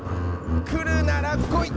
来るなら来い！